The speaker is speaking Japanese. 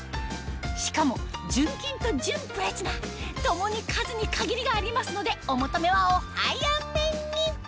しかも純金と純プラチナ共に数に限りがありますのでお求めはお早めに！